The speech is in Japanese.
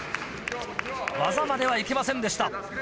技まではいけませんでした。